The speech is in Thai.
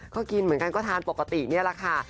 ก็กินเหมือนกันก็ทานปกตินี่แหละค่ะ